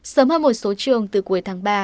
sớm hơn một số trường từ cuối tháng ba